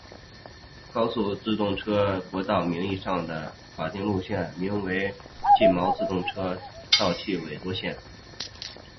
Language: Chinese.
高速自动车国道名义上的法定路线名分别为近畿自动车道尾鹫多气线。